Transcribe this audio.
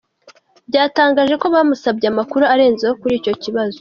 Byatangaje ko bamusabye amakuru arenzeho kuri icyo kibazo.